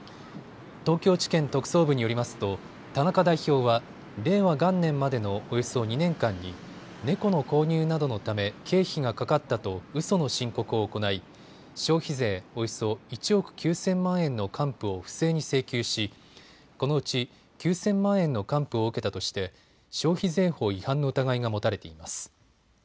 東京地検特捜部によりますと田中代表は令和元年までのおよそ２年間に猫の購入などのため経費がかかったとうその申告を行い消費税およそ１億９０００万円の還付を不正に請求しこのうち９０００万円の還付を受けたとして消費税法違反の疑いが持たれています。